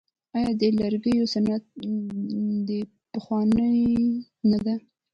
آیا د لرګیو صنعت ډیر پخوانی نه دی؟